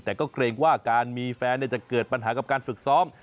แต่ก็เกรงว่าการมีแฟนจะเกิดปัญหากับการฝึกซ้อม